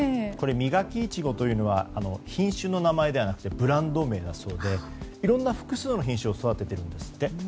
ミガキイチゴというのは品種の名前ではなくてブランド名だそうでいろんな複数の品種を育てているんですって。